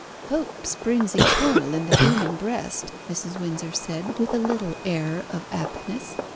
"Hope springs eternal in the human breast," Mrs. Windsor said, with a little air of aptness.